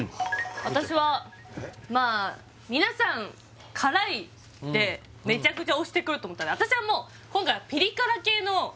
私はまあ皆さん「辛い」でめちゃくちゃ推してくると思ったんで私はもう今回は何？